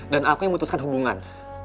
dan aku yang memutuskan hubungan